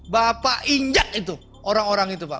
bapak injak itu orang orang itu pak